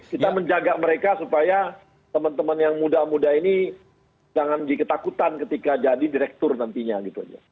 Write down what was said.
kita menjaga mereka supaya teman teman yang muda muda ini jangan di ketakutan ketika jadi direktur nantinya gitu aja